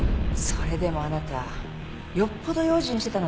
それでもあなたよっぽど用心してたのねぇ。